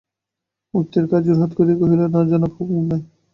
মুক্তিয়ার খাঁ জোড়হাত করিয়া কহিল, না জনাব, হুকুম নাই।